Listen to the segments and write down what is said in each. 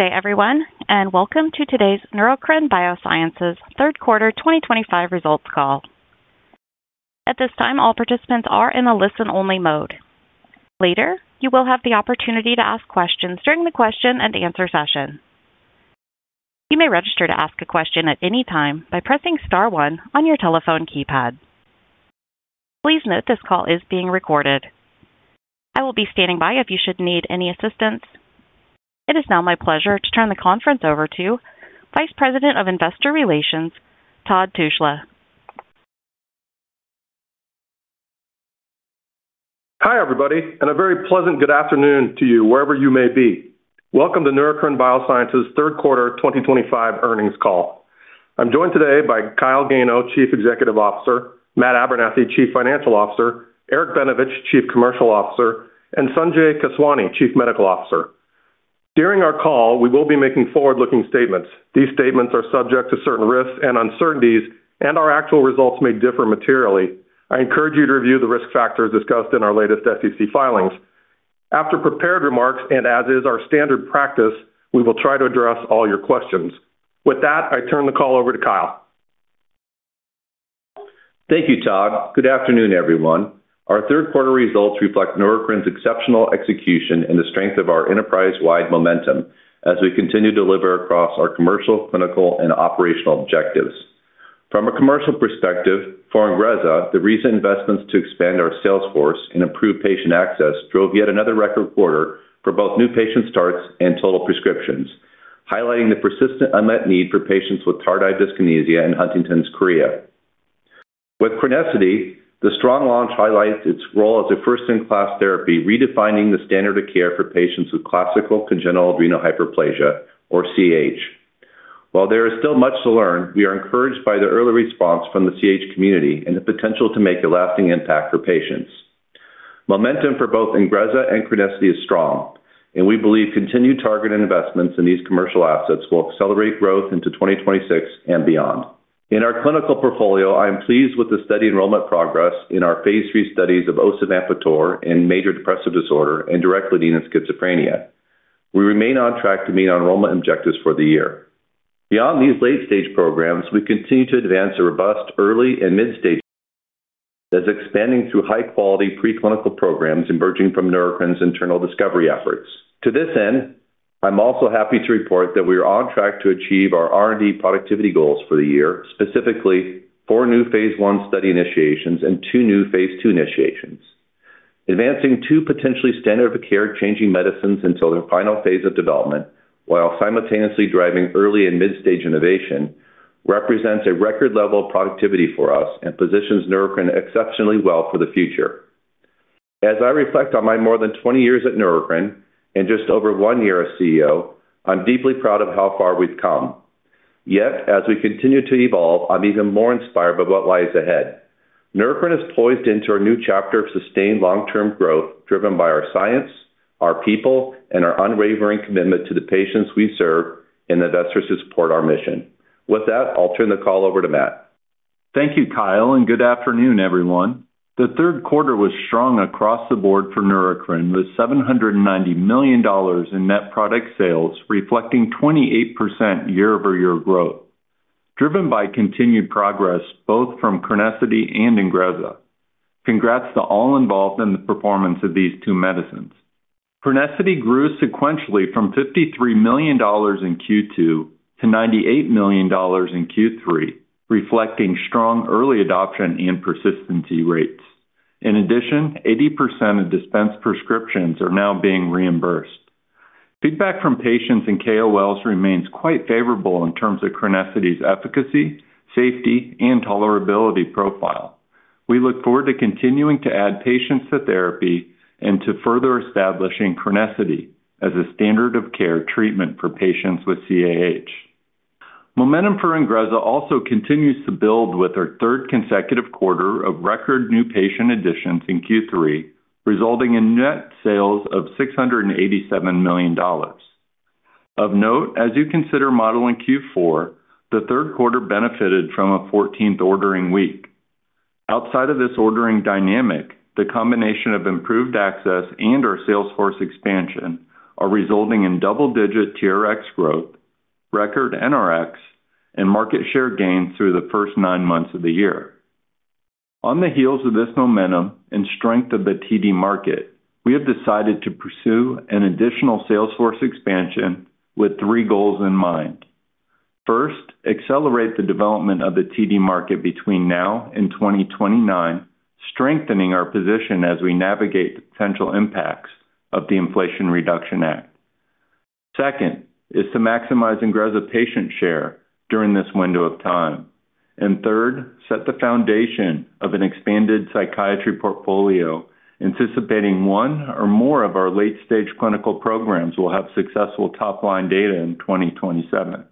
Today, everyone, and welcome to today's Neurocrine Biosciences third quarter 2025 results call. At this time, all participants are in a listen-only mode. Later, you will have the opportunity to ask questions during the question-and-answer session. You may register to ask a question at any time by pressing star one on your telephone keypad. Please note this call is being recorded. I will be standing by if you should need any assistance. It is now my pleasure to turn the conference over to Vice President of Investor Relations, Todd Tushla. Hi, everybody, and a very pleasant good afternoon to you wherever you may be. Welcome to Neurocrine Biosciences third quarter 2025 earnings call. I'm joined today by Kyle Gano, Chief Executive Officer, Matt Abernethy, Chief Financial Officer, Eric Benevich, Chief Commercial Officer, and Sanjay Keswani, Chief Medical Officer. During our call, we will be making forward-looking statements. These statements are subject to certain risks and uncertainties, and our actual results may differ materially. I encourage you to review the risk factors discussed in our latest SEC filings. After prepared remarks, and as is our standard practice, we will try to address all your questions. With that, I turn the call over to Kyle. Thank you, Todd. Good afternoon, everyone. Our third quarter results reflect Neurocrine Biosciences' exceptional execution and the strength of our enterprise-wide momentum as we continue to deliver across our commercial, clinical, and operational objectives. From a commercial perspective, for INGREZZA, the recent investments to expand our sales force and improve patient access drove yet another record quarter for both new patient starts and total prescriptions, highlighting the persistent unmet need for patients with tardive dyskinesia and Huntington’s chorea. With CRENESSITY, the strong launch highlights its role as a first-in-class therapy, redefining the standard of care for patients with classic congenital adrenal hyperplasia, or CAH. While there is still much to learn, we are encouraged by the early response from the CAH community and the potential to make a lasting impact for patients. Momentum for both INGREZZA and CRENESSITY is strong, and we believe continued targeted investments in these commercial assets will accelerate growth into 2026 and beyond. In our clinical portfolio, I am pleased with the steady enrollment progress in our Phase III studies of osavampator in major depressive disorder and Directlidine with schizophrenia. We remain on track to meet our enrollment objectives for the year. Beyond these late-stage programs, we continue to advance a robust early and mid-stage program that is expanding through high-quality preclinical programs emerging from Neurocrine Biosciences' internal discovery efforts. To this end, I'm also happy to report that we are on track to achieve our R&D productivity goals for the year, specifically four new Phase I study initiations and two new Phase II initiations. Advancing two potentially standard-of-care changing medicines until their final phase of development, while simultaneously driving early and mid-stage innovation, represents a record level of productivity for us and positions Neurocrine Biosciences exceptionally well for the future. As I reflect on my more than 20 years at Neurocrine Biosciences and just over one year as CEO, I'm deeply proud of how far we've come. Yet, as we continue to evolve, I'm even more inspired by what lies ahead. Neurocrine Biosciences is poised into a new chapter of sustained long-term growth driven by our science, our people, and our unwavering commitment to the patients we serve and the veterans who support our mission. With that, I'll turn the call over to Matt. Thank you, Kyle, and good afternoon, everyone. The third quarter was strong across the board for Neurocrine Biosciences with $790 million in net product sales, reflecting 28% year-over-year growth, driven by continued progress both from CRENESSITY and INGREZZA. Congrats to all involved in the performance of these two medicines. CRENESSITY grew sequentially from $53 million in Q2 to $98 million in Q3, reflecting strong early adoption and persistency rates. In addition, 80% of dispensed prescriptions are now being reimbursed. Feedback from patients and KOLs remains quite favorable in terms of CRENESSITY's efficacy, safety, and tolerability profile. We look forward to continuing to add patients to therapy and to further establishing CRENESSITY as a standard-of-care treatment for patients with classic congenital adrenal hyperplasia (CAH). Momentum for INGREZZA also continues to build with our third consecutive quarter of record new patient additions in Q3, resulting in net sales of $687 million. Of note, as you consider modeling Q4, the third quarter benefited from a 14th ordering week. Outside of this ordering dynamic, the combination of improved access and our sales force expansion are resulting in double-digit TRX growth, record NRX, and market share gains through the first nine months of the year. On the heels of this momentum and strength of the tardive dyskinesia (TD) market, we have decided to pursue an additional sales force expansion with three goals in mind. First, accelerate the development of the TD market between now and 2029, strengthening our position as we navigate the potential impacts of the Inflation Reduction Act (IRA). Second is to maximize INGREZZA patient share during this window of time. Third, set the foundation of an expanded psychiatry portfolio, anticipating one or more of our late-stage clinical programs will have successful top-line data in 2027.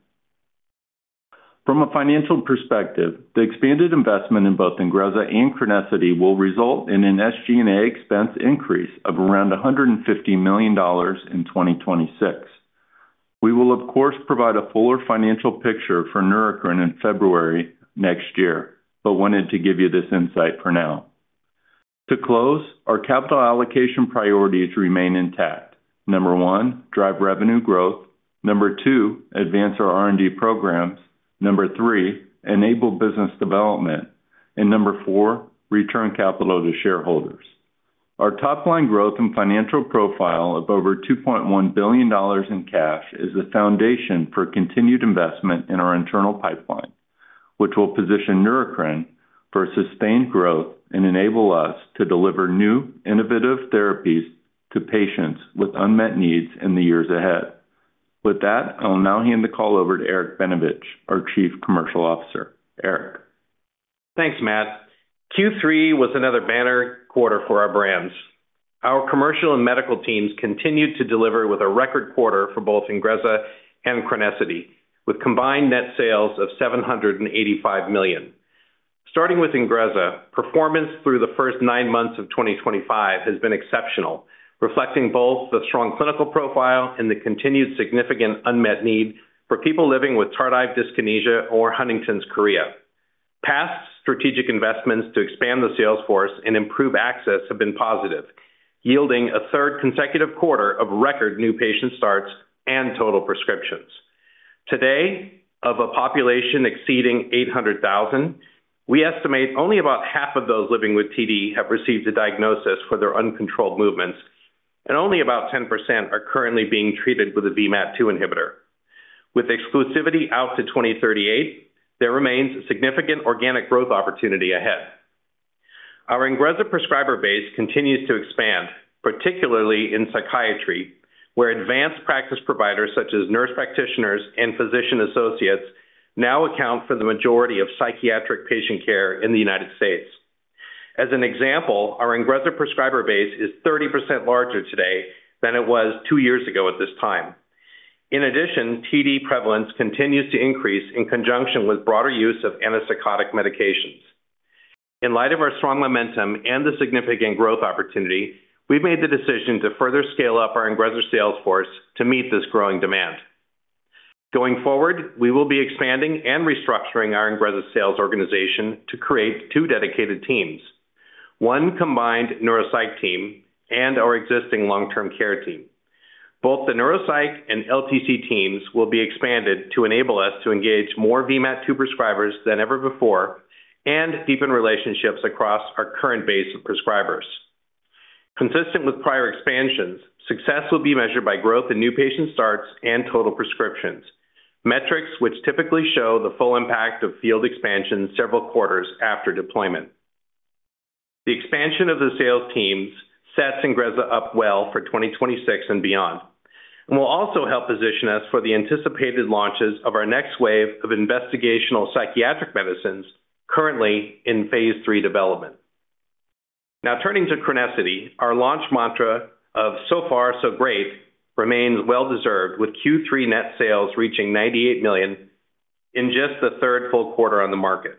From a financial perspective, the expanded investment in both INGREZZA and CRENESSITY will result in an SG&A expense increase of around $150 million in 2026. We will, of course, provide a fuller financial picture for Neurocrine Biosciences in February next year, but wanted to give you this insight for now. To close, our capital allocation priorities remain intact. Number one, drive revenue growth. Number two, advance our R&D programs. Number three, enable business development. Number four, return capital to shareholders. Our top-line growth and financial profile of over $2.1 billion in cash is the foundation for continued investment in our internal pipeline, which will position Neurocrine Biosciences for sustained growth and enable us to deliver new, innovative therapies to patients with unmet needs in the years ahead. With that, I'll now hand the call over to Eric Benevich, our Chief Commercial Officer. Eric. Thanks, Matt. Q3 was another banner quarter for our brands. Our commercial and medical teams continued to deliver with a record quarter for both INGREZZA and CRENESSITY, with combined net sales of $785 million. Starting with INGREZZA, performance through the first nine months of 2025 has been exceptional, reflecting both the strong clinical profile and the continued significant unmet need for people living with tardive dyskinesia or Huntington’s chorea. Past strategic investments to expand the sales force and improve access have been positive, yielding a third consecutive quarter of record new patient starts and total prescriptions. Today, of a population exceeding 800,000, we estimate only about half of those living with TD have received a diagnosis for their uncontrolled movements, and only about 10% are currently being treated with a VMAT2 inhibitor. With exclusivity out to 2038, there remains a significant organic growth opportunity ahead. Our INGREZZA prescriber base continues to expand, particularly in psychiatry, where advanced practice providers such as nurse practitioners and physician associates now account for the majority of psychiatric patient care in the United States. As an example, our INGREZZA prescriber base is 30% larger today than it was two years ago at this time. In addition, TD prevalence continues to increase in conjunction with broader use of antipsychotic medications. In light of our strong momentum and the significant growth opportunity, we've made the decision to further scale up our INGREZZA sales force to meet this growing demand. Going forward, we will be expanding and restructuring our INGREZZA sales organization to create two dedicated teams: one combined neuropsych team and our existing long-term care team. Both the neuropsych and LTC teams will be expanded to enable us to engage more VMAT2 prescribers than ever before and deepen relationships across our current base of prescribers. Consistent with prior expansions, success will be measured by growth in new patient starts and total prescriptions, metrics which typically show the full impact of field expansion several quarters after deployment. The expansion of the sales teams sets INGREZZA up well for 2026 and beyond and will also help position us for the anticipated launches of our next wave of investigational psychiatric medicines currently in Phase III development. Now, turning to CRENESSITY, our launch mantra of "So Far, So Great" remains well-deserved, with Q3 net sales reaching $98 million in just the third full quarter on the market.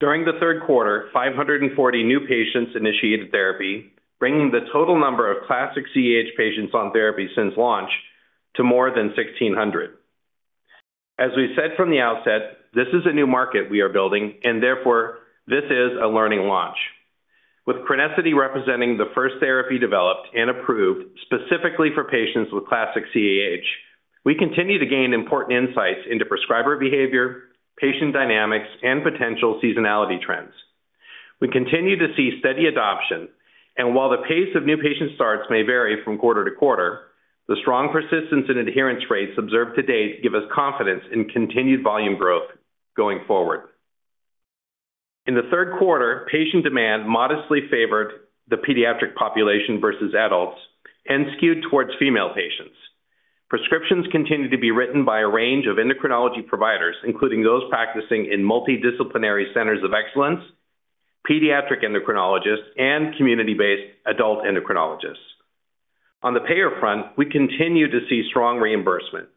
During the third quarter, 540 new patients initiated therapy, bringing the total number of classic congenital adrenal hyperplasia patients on therapy since launch to more than 1,600. As we said from the outset, this is a new market we are building, and therefore, this is a learning launch. With CRENESSITY representing the first therapy developed and approved specifically for patients with classic congenital adrenal hyperplasia, we continue to gain important insights into prescriber behavior, patient dynamics, and potential seasonality trends. We continue to see steady adoption, and while the pace of new patient starts may vary from quarter to quarter, the strong persistence and adherence rates observed to date give us confidence in continued volume growth going forward. In the third quarter, patient demand modestly favored the pediatric population versus adults and skewed towards female patients. Prescriptions continue to be written by a range of endocrinology providers, including those practicing in multidisciplinary centers of excellence, pediatric endocrinologists, and community-based adult endocrinologists. On the payer front, we continue to see strong reimbursement.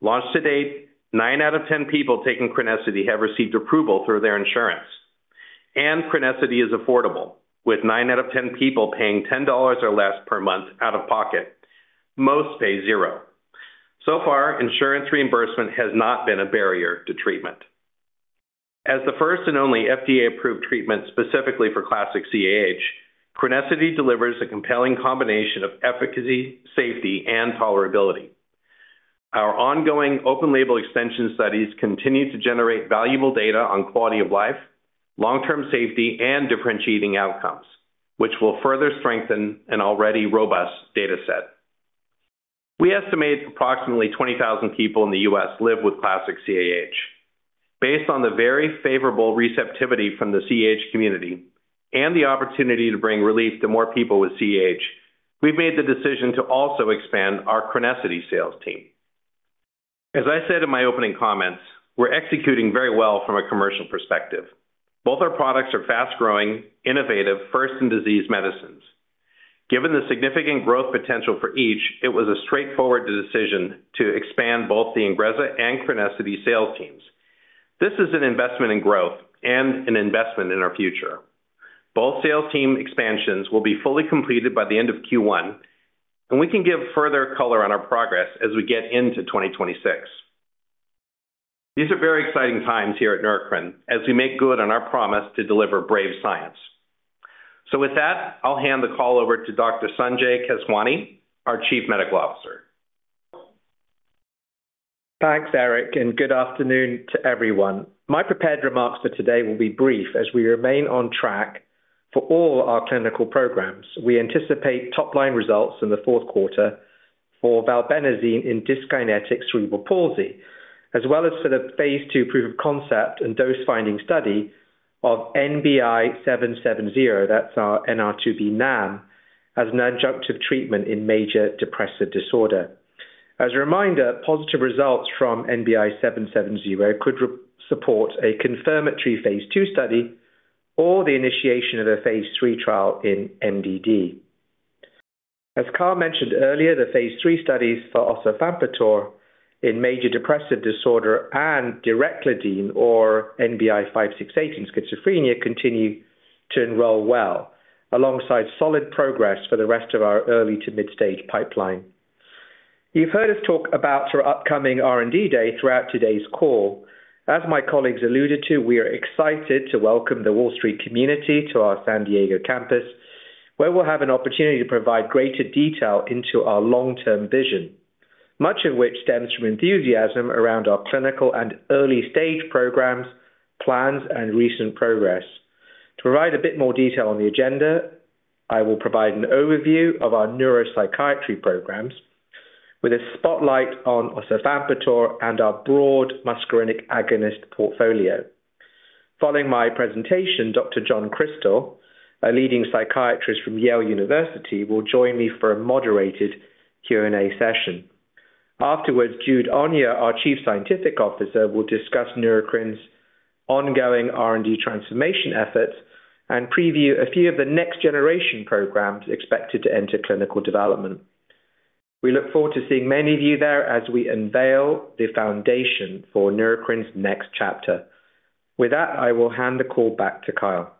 Launched to date, nine out of ten people taking CRENESSITY have received approval through their insurance, and CRENESSITY is affordable, with nine out of ten people paying $10 or less per month out of pocket. Most pay zero. Insurance reimbursement has not been a barrier to treatment. As the first and only FDA-approved treatment specifically for classic congenital adrenal hyperplasia, CRENESSITY delivers a compelling combination of efficacy, safety, and tolerability. Our ongoing open-label extension studies continue to generate valuable data on quality of life, long-term safety, and differentiating outcomes, which will further strengthen an already robust data set. We estimate approximately 20,000 people in the U.S. live with classic congenital adrenal hyperplasia. Based on the very favorable receptivity from the congenital adrenal hyperplasia community and the opportunity to bring relief to more people with congenital adrenal hyperplasia, we've made the decision to also expand our CRENESSITY sales team. As I said in my opening comments, we're executing very well from a commercial perspective. Both our products are fast-growing, innovative first-in-disease medicines. Given the significant growth potential for each, it was a straightforward decision to expand both the INGREZZA and CRENESSITY sales teams. This is an investment in growth and an investment in our future. Both sales team expansions will be fully completed by the end of Q1, and we can give further color on our progress as we get into 2026. These are very exciting times here at Neurocrine Biosciences as we make good on our promise to deliver brave science. With that, I'll hand the call over to Dr. Sanjay Keswani, our Chief Medical Officer. Thanks, Eric, and good afternoon to everyone. My prepared remarks for today will be brief as we remain on track for all our clinical programs. We anticipate top-line results in the fourth quarter for valbenazine in dyskinetic cerebral palsy, as well as for the Phase II proof of concept and dose-finding study of NBI-770, that's our NR2B NAM, as an adjunctive treatment in major depressive disorder. As a reminder, positive results from NBI-770 could support a confirmatory Phase II study or the initiation of a Phase III trial in major depressive disorder. As Kyle mentioned earlier, the Phase III studies for osavampator in major depressive disorder and Directlidine, or NBI-568, in schizophrenia continue to enroll well, alongside solid progress for the rest of our early to mid-stage pipeline. You've heard us talk about our upcoming R&D Day throughout today's call. As my colleagues alluded to, we are excited to welcome the Wall Street community to our San Diego campus, where we'll have an opportunity to provide greater detail into our long-term vision, much of which stems from enthusiasm around our clinical and early-stage programs, plans, and recent progress. To provide a bit more detail on the agenda, I will provide an overview of our neuropsychiatry programs with a spotlight on osavampator and our broad muscarinic agonist portfolio. Following my presentation, Dr. John Crystal, a leading psychiatrist from Yale University, will join me for a moderated Q&A session. Afterwards, Jude Onyia, our Chief Scientific Officer, will discuss Neurocrine Biosciences' ongoing R&D transformation efforts and preview a few of the next-generation programs expected to enter clinical development. We look forward to seeing many of you there as we unveil the foundation for Neurocrine Biosciences' next chapter. With that, I will hand the call back to Kyle.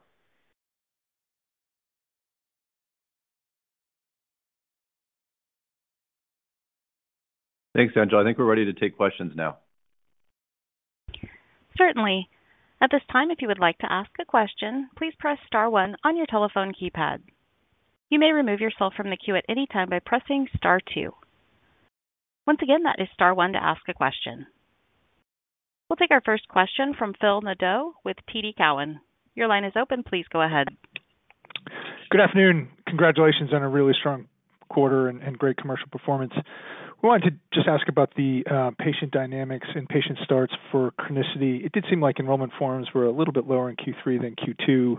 Thanks, Sanjay. I think we're ready to take questions now. Certainly. At this time, if you would like to ask a question, please press star one on your telephone keypad. You may remove yourself from the queue at any time by pressing star two. Once again, that is star one to ask a question. We'll take our first question from Phil Nadeau with TD Cowen. Your line is open. Please go ahead. Good afternoon. Congratulations on a really strong quarter and great commercial performance. We wanted to just ask about the patient dynamics and patient starts for CRENESSITY. It did seem like enrollment forms were a little bit lower in Q3 than Q2.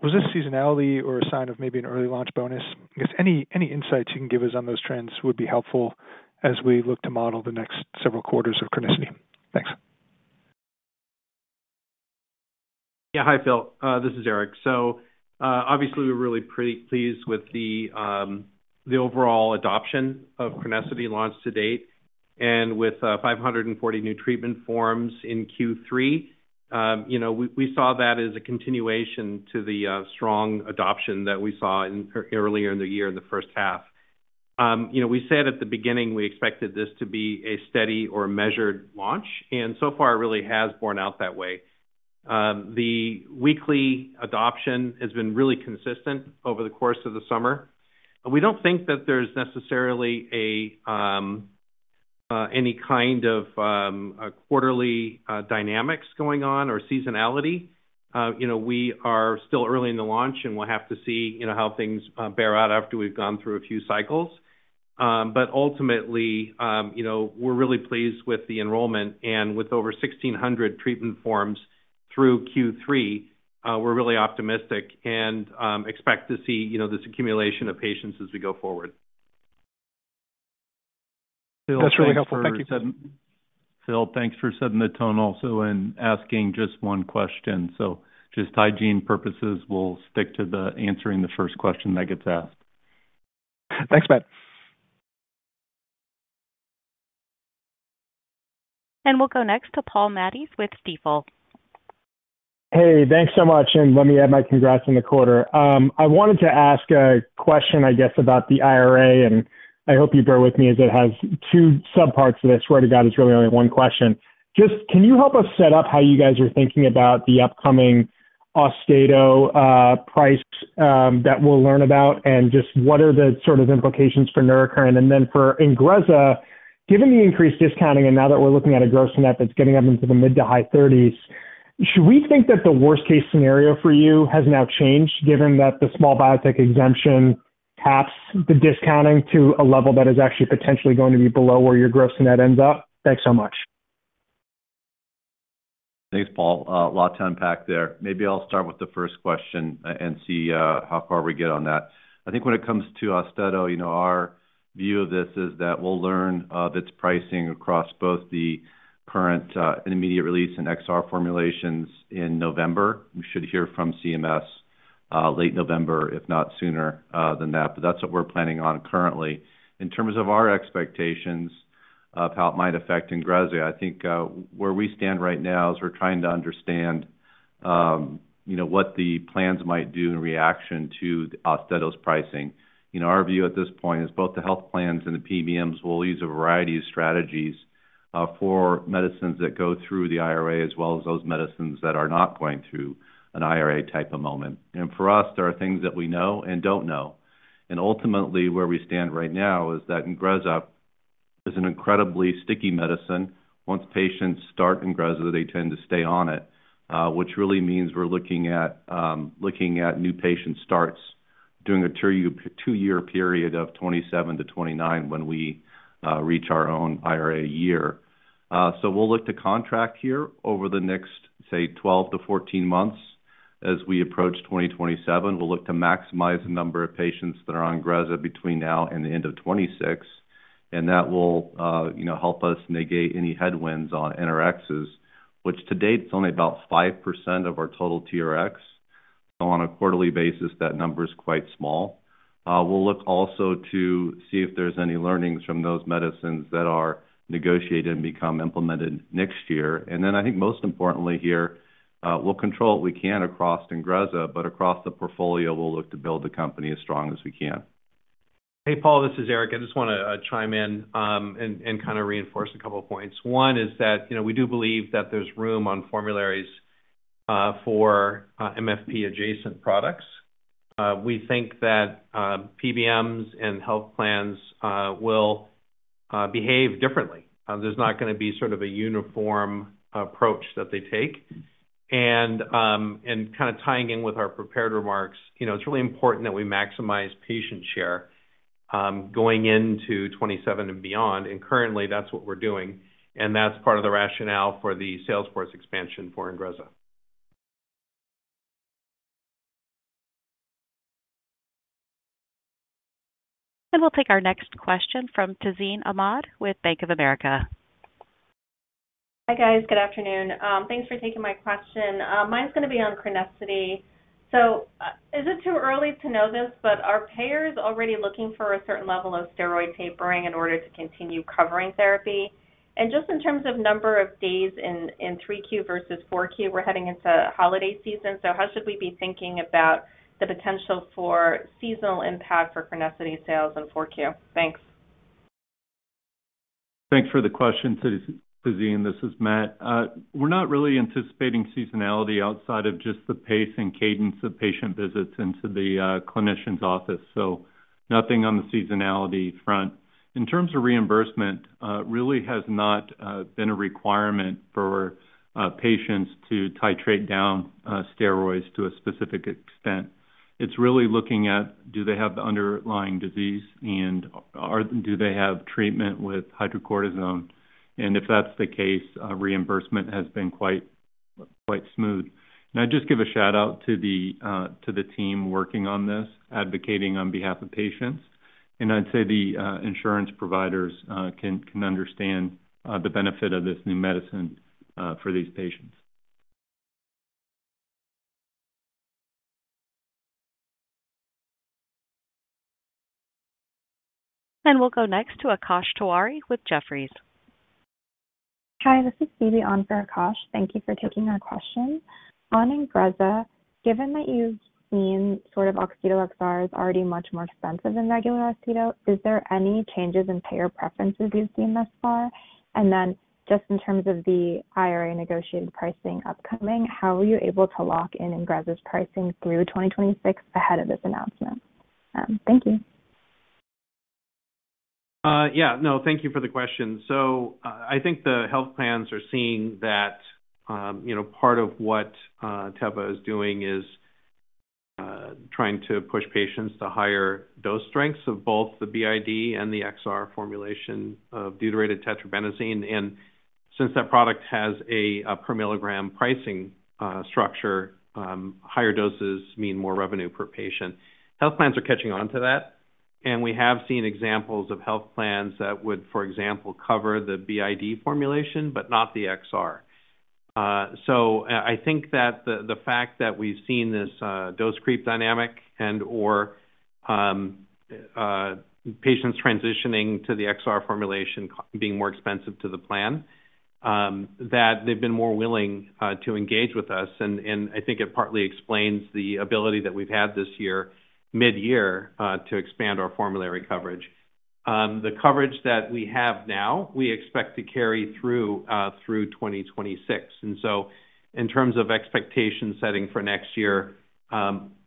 Was this seasonality or a sign of maybe an early launch bonus? I guess any insights you can give us on those trends would be helpful as we look to model the next several quarters of CRENESSITY. Thanks. Yeah, hi, Phil. This is Eric. Obviously, we're really pretty pleased with the overall adoption of CRENESSITY launched to date. With 540 new treatment forms in Q3, we saw that as a continuation of the strong adoption that we saw earlier in the year in the first half. We said at the beginning we expected this to be a steady or measured launch, and so far it really has borne out that way. The weekly adoption has been really consistent over the course of the summer. We don't think that there's necessarily any kind of quarterly dynamics going on or seasonality. We are still early in the launch, and we'll have to see how things bear out after we've gone through a few cycles. Ultimately, we're really pleased with the enrollment. With over 1,600 treatment forms through Q3, we're really optimistic and expect to see this accumulation of patients as we go forward. That's really helpful. Thank you. Phil, thanks for setting the tone also and asking just one question. For hygiene purposes, we'll stick to answering the first question that gets asked. Thanks, Matt. We will go next to Paul Matteis with Stifel. Hey, thanks so much. Let me add my congrats on the quarter. I wanted to ask a question, I guess, about the IRA, and I hope you bear with me as it has two subparts to this. I swear to God, it's really only one question. Can you help us set up how you guys are thinking about the upcoming Austedo price that we'll learn about? What are the sort of implications for Neurocrine Biosciences? For INGREZZA, given the increased discounting and now that we're looking at a gross net that's getting up into the mid to high 30%, should we think that the worst-case scenario for you has now changed, given that the small biotech exemption taps the discounting to a level that is actually potentially going to be below where your gross net ends up? Thanks so much. Thanks, Paul. A lot to unpack there. Maybe I'll start with the first question and see how far we get on that. I think when it comes to Austedo, our view of this is that we'll learn of its pricing across both the current and immediate release and XR formulations in November. We should hear from CMS late November, if not sooner than that. That's what we're planning on currently. In terms of our expectations of how it might affect INGREZZA, I think where we stand right now is we're trying to understand what the plans might do in reaction to Austedo's pricing. Our view at this point is both the health plans and the PBMs will use a variety of strategies for medicines that go through the IRA, as well as those medicines that are not going through an IRA type of moment. For us, there are things that we know and don't know. Ultimately, where we stand right now is that INGREZZA is an incredibly sticky medicine. Once patients start INGREZZA, they tend to stay on it, which really means we're looking at new patient starts during a two-year period of 2027 to 2029 when we reach our own IRA year. We'll look to contract here over the next, say, 12-14 months as we approach 2027. We'll look to maximize the number of patients that are on INGREZZA between now and the end of 2026. That will help us negate any headwinds on NRXs, which to date is only about 5% of our total TRX. On a quarterly basis, that number is quite small. We'll look also to see if there's any learnings from those medicines that are negotiated and become implemented next year. I think most importantly here, we'll control what we can across INGREZZA, but across the portfolio, we'll look to build the company as strong as we can. Hey, Paul. This is Eric. I just want to chime in and reinforce a couple of points. One is that we do believe that there's room on formularies for MFP-adjacent products. We think that PBMs and health plans will behave differently. There is not going to be a uniform approach that they take. Tying in with our prepared remarks, it's really important that we maximize patient share going into 2027 and beyond. Currently, that's what we're doing, and that's part of the rationale for the sales force expansion for INGREZZA. We will take our next question from Tazeen Ahmad with Bank of America. Hi, guys. Good afternoon. Thanks for taking my question. Mine is going to be on CRENESSITY. Is it too early to know this, but are payers already looking for a certain level of steroid tapering in order to continue covering therapy? In terms of number of days in 3Q versus 4Q, we're heading into holiday season. How should we be thinking about the potential for seasonal impact for CRENESSITY sales in 4Q? Thanks. Thanks for the question, Tazeen. This is Matt. We're not really anticipating seasonality outside of just the pace and cadence of patient visits into the clinician's office. Nothing on the seasonality front. In terms of reimbursement, it really has not been a requirement for patients to titrate down steroids to a specific extent. It's really looking at do they have the underlying disease and do they have treatment with hydrocortisone. If that's the case, reimbursement has been quite smooth. I'd just give a shout out to the team working on this, advocating on behalf of patients. I'd say the insurance providers can understand the benefit of this new medicine for these patients. We will go next to Akash Tewari with Jefferies. Hi, this is Phoebe on for Akash. Thank you for taking our question. On INGREZZA, given that you've seen sort of Austedo XR is already much more expensive than regular Austedo, is there any changes in payer preferences you've seen thus far? In terms of the IRA negotiated pricing upcoming, how are you able to lock in INGREZZA's pricing through 2026 ahead of this announcement? Thank you. Thank you for the question. I think the health plans are seeing that part of what Teva is doing is trying to push patients to higher dose strengths of both the BID and the XR formulation of deuterated tetrabenazine. Since that product has a per milligram pricing structure, higher doses mean more revenue per patient. Health plans are catching on to that. We have seen examples of health plans that would, for example, cover the BID formulation, but not the XR. I think that the fact that we've seen this dose creep dynamic and/or patients transitioning to the XR formulation being more expensive to the plan, they've been more willing to engage with us. I think it partly explains the ability that we've had this year, mid-year, to expand our formulary coverage. The coverage that we have now, we expect to carry through 2026. In terms of expectation setting for next year,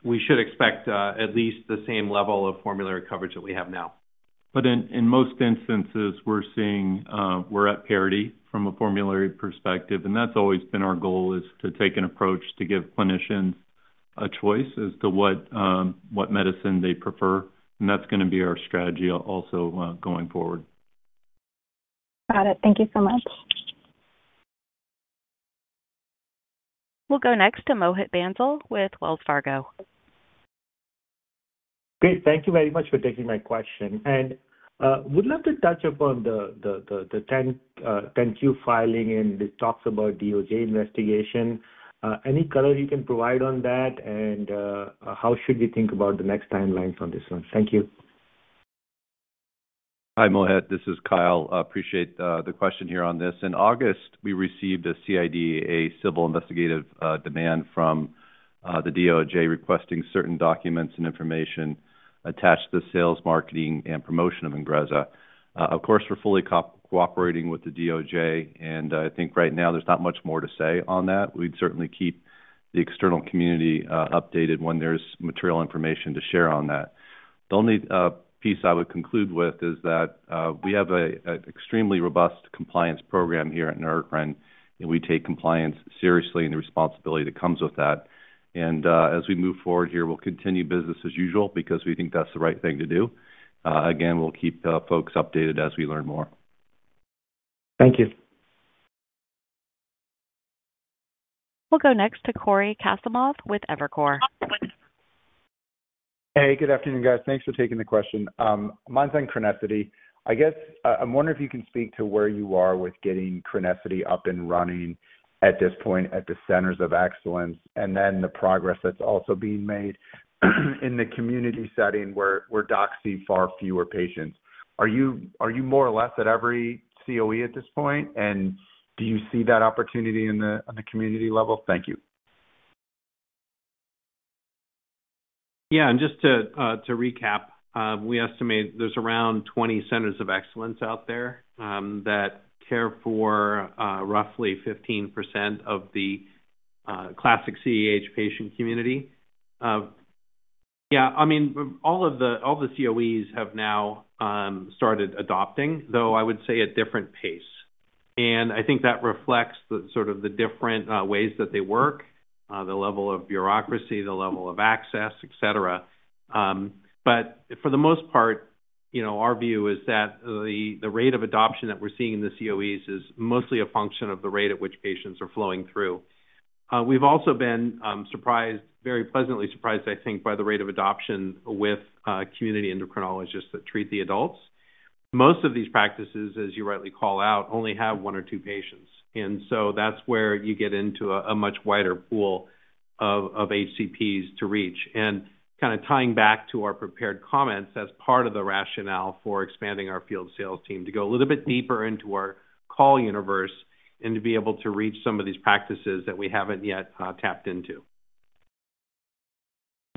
we should expect at least the same level of formulary coverage that we have now. In most instances, we're seeing we're at parity from a formulary perspective. That's always been our goal, to take an approach to give clinicians a choice as to what medicine they prefer. That's going to be our strategy also going forward. Got it. Thank you so much. We'll go next to Mohit Bansal with Wells Fargo. Great. Thank you very much for taking my question. I would love to touch upon the 10-Q filing, and this talks about Department of Justice investigation. Any color you can provide on that? How should we think about the next timelines on this one? Thank you. Hi, Mohit. This is Kyle. I appreciate the question here on this. In August, we received a CID, a civil investigative demand from the Department of Justice (DOJ) requesting certain documents and information attached to the sales, marketing, and promotion of INGREZZA. Of course, we're fully cooperating with the DOJ. I think right now there's not much more to say on that. We'd certainly keep the external community updated when there's material information to share on that. The only piece I would conclude with is that we have an extremely robust compliance program here at Neurocrine Biosciences and we take compliance seriously and the responsibility that comes with that. As we move forward here, we'll continue business as usual because we think that's the right thing to do. Again, we'll keep folks updated as we learn more. Thank you. We'll go next to Cory Kasimov with Evercore. Hey, good afternoon, guys. Thanks for taking the question. Mine's on CRENESSITY. I guess I'm wondering if you can speak to where you are with getting CRENESSITY up and running at this point at the centers of excellence, and then the progress that's also being made in the community setting where docs see far fewer patients. Are you more or less at every COE at this point? Do you see that opportunity on the community level? Thank you. Yeah, and just to recap, we estimate there's around 20 centers of excellence out there that care for roughly 15% of the classic CAH patient community. All of the COEs have now started adopting, though I would say at different pace. I think that reflects sort of the different ways that they work, the level of bureaucracy, the level of access, etc. For the most part, our view is that the rate of adoption that we're seeing in the COEs is mostly a function of the rate at which patients are flowing through. We've also been surprised, very pleasantly surprised, I think, by the rate of adoption with community endocrinologists that treat the adults. Most of these practices, as you rightly call out, only have one or two patients. That's where you get into a much wider pool of HCPs to reach, and tying back to our prepared comments as part of the rationale for expanding our field sales team to go a little bit deeper into our call universe and to be able to reach some of these practices that we haven't yet tapped into.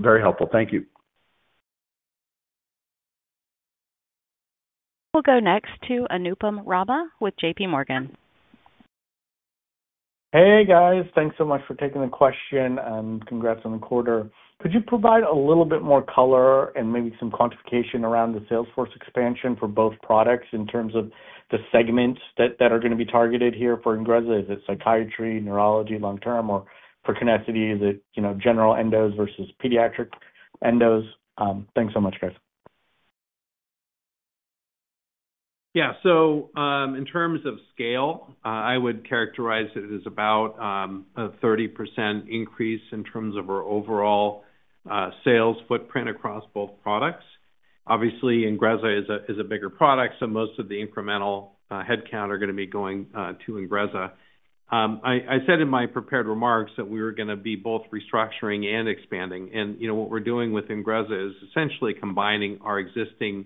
Very helpful. Thank you. will go next to Anupam Rama with JP Morgan. Hey, guys. Thanks so much for taking the question and congrats on the quarter. Could you provide a little bit more color and maybe some quantification around the sales force expansion for both products in terms of the segments that are going to be targeted here for INGREZZA? Is it psychiatry, neurology, long-term, or for CRENESSITY? Is it general endos versus pediatric endos? Thanks so much, guys. Yeah, so in terms of scale, I would characterize it as about a 30% increase in terms of our overall sales footprint across both products. Obviously, INGREZZA is a bigger product, so most of the incremental headcount are going to be going to INGREZZA. I said in my prepared remarks that we were going to be both restructuring and expanding. What we're doing with INGREZZA is essentially combining our existing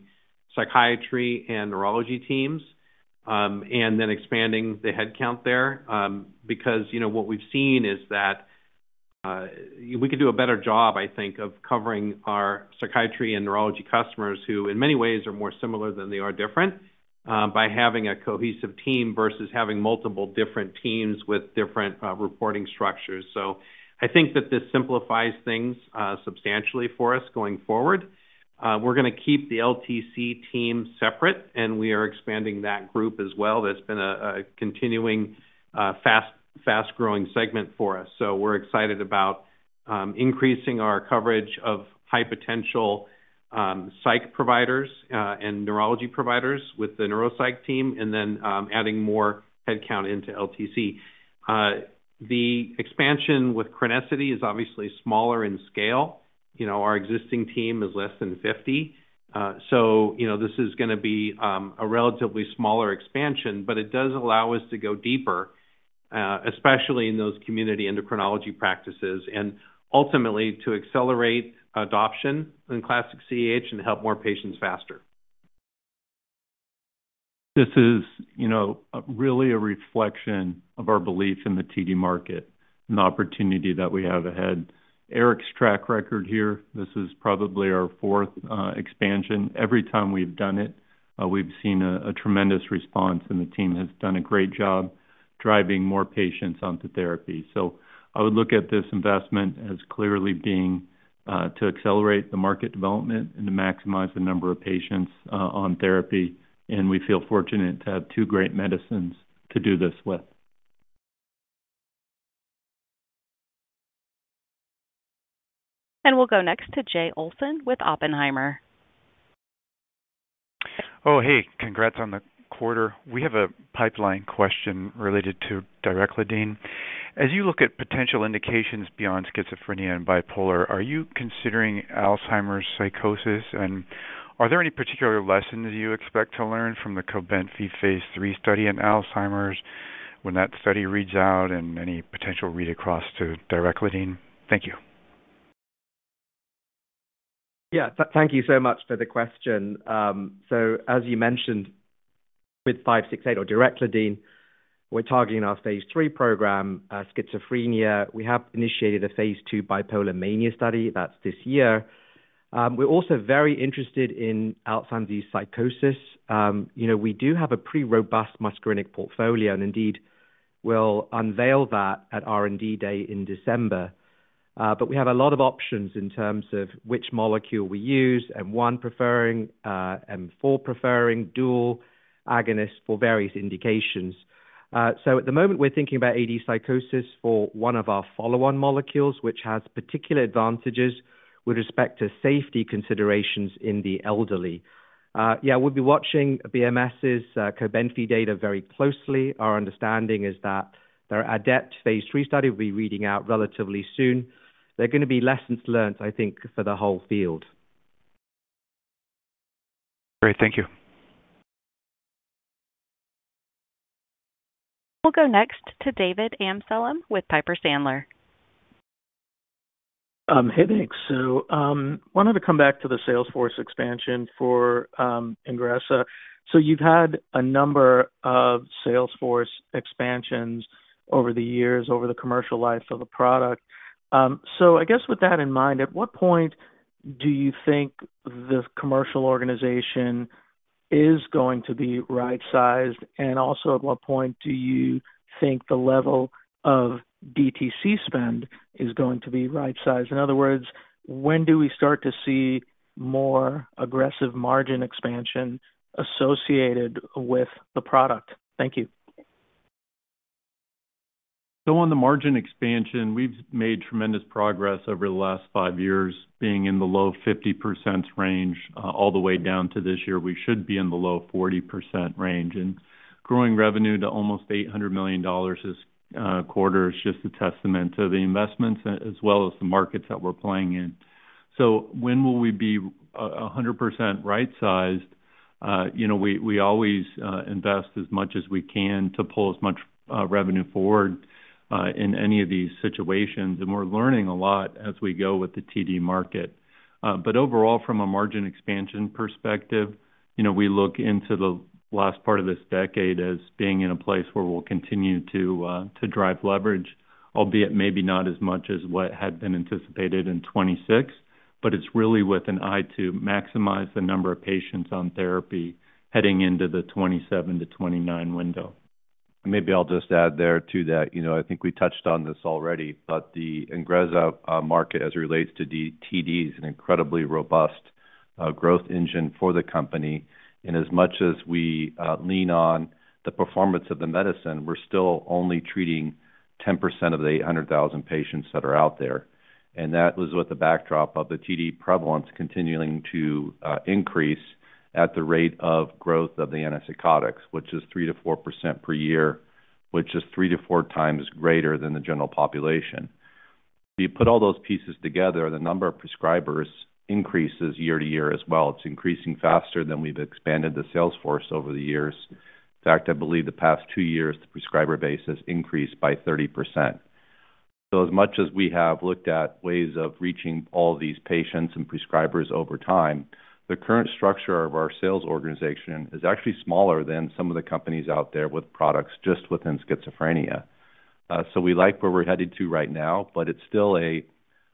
psychiatry and neurology teams and then expanding the headcount there. What we've seen is that we could do a better job, I think, of covering our psychiatry and neurology customers who in many ways are more similar than they are different by having a cohesive team versus having multiple different teams with different reporting structures. I think that this simplifies things substantially for us going forward. We're going to keep the LTC team separate, and we are expanding that group as well. That's been a continuing fast-growing segment for us. We're excited about increasing our coverage of high-potential psych providers and neurology providers with the neuropsych team and then adding more headcount into LTC. The expansion with CRENESSITY is obviously smaller in scale. Our existing team is less than 50. This is going to be a relatively smaller expansion, but it does allow us to go deeper, especially in those community endocrinology practices and ultimately to accelerate adoption in classic congenital adrenal hyperplasia (CAH) and help more patients faster. This is really a reflection of our belief in the TD market and the opportunity that we have ahead. Eric's track record here, this is probably our fourth expansion. Every time we've done it, we've seen a tremendous response, and the team has done a great job driving more patients onto therapy. I would look at this investment as clearly being to accelerate the market development and to maximize the number of patients on therapy. We feel fortunate to have two great medicines to do this with. We will go next to Jay Olson with Oppenheimer. Oh, hey, congrats on the quarter. We have a pipeline question related to Directlidine. As you look at potential indications beyond schizophrenia and bipolar, are you considering Alzheimer's psychosis? Are there any particular lessons you expect to learn from the Cobenfy Phase III study in Alzheimer's when that study reads out and any potential read across to Directlidine? Thank you. Thank you so much for the question. As you mentioned, with 568 or Directlidine, we're targeting our Phase III program, schizophrenia. We have initiated a Phase II bipolar mania study this year. We're also very interested in Alzheimer's psychosis. We do have a pretty robust muscarinic portfolio, and indeed, we'll unveil that at R&D Day in December. We have a lot of options in terms of which molecule we use, M1 preferring, M4 preferring, dual agonists for various indications. At the moment, we're thinking about AD psychosis for one of our follow-on molecules, which has particular advantages with respect to safety considerations in the elderly. We'll be watching BMS's Cobenfy data very closely. Our understanding is that their ADEPT Phase III study will be reading out relatively soon. There are going to be lessons learned, I think, for the whole field. Great, thank you. We'll go next to David Amsellem with Piper Sandler. Hey, thanks. I wanted to come back to the sales force expansion for INGREZZA. You've had a number of sales force expansions over the years, over the commercial life of the product. With that in mind, at what point do you think the commercial organization is going to be right-sized? Also, at what point do you think the level of DTC spend is going to be right-sized? In other words, when do we start to see more aggressive margin expansion associated with the product? Thank you. On the margin expansion, we've made tremendous progress over the last five years, being in the low 50% range all the way down to this year. We should be in the low 40% range. Growing revenue to almost $800 million this quarter is just a testament to the investments as well as the markets that we're playing in. When will we be 100% right-sized? You know we always invest as much as we can to pull as much revenue forward in any of these situations. We're learning a lot as we go with the TD market. Overall, from a margin expansion perspective, you know we look into the last part of this decade as being in a place where we'll continue to drive leverage, albeit maybe not as much as what had been anticipated in 2026. It's really with an eye to maximize the number of patients on therapy heading into the 2027 to 2029 window. Maybe I'll just add there to that, you know I think we touched on this already, but the INGREZZA market as it relates to TD is an incredibly robust growth engine for the company. As much as we lean on the performance of the medicine, we're still only treating 10% of the 800,000 patients that are out there. That was with the backdrop of the TD prevalence continuing to increase at the rate of growth of the antipsychotics, which is 3%-4% per year, which is 3%-4% times greater than the general population. If you put all those pieces together, the number of prescribers increases year to year as well. It's increasing faster than we've expanded the sales force over the years. In fact, I believe the past two years, the prescriber base has increased by 30%. As much as we have looked at ways of reaching all these patients and prescribers over time, the current structure of our sales organization is actually smaller than some of the companies out there with products just within schizophrenia. We like where we're headed to right now, but it's still an